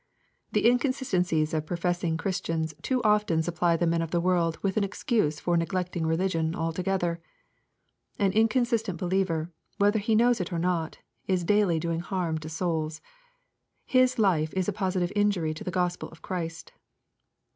The inconsistencies of professing Christians too often supply the men of the world with an excuse for neglect ing religion altogether. An inconsistent believer, whether he knows it or not, is daily doing harm to souls. His life is a positive injury to the Gospel of Christ.